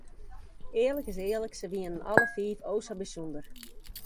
Earlik is earlik, se wienen alle fiif o sa bysûnder.